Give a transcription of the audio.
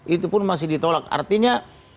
itu pun masih ditolak artinya